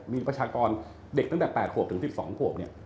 มีประชากรเด็กตั้งแต่๘ขวบถึง๑๒ขวบเนี่ย